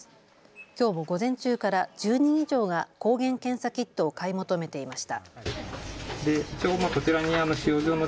きょうも午前中から１０人以上が抗原検査キットを買い求めていました。